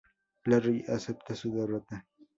Larry acepta su derrota.